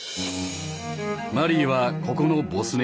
マリーはここのボス猫。